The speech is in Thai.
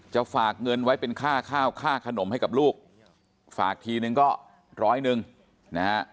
ฝากเงินไว้เป็นค่าข้าวค่าขนมให้กับลูกฝากทีนึงก็ร้อยหนึ่งนะฮะ